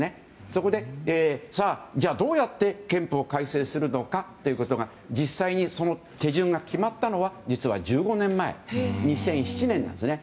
そこで、じゃあどうやって憲法改正するのかということが実際にその手順が決まったのは実は１５年前２００７年なんですね。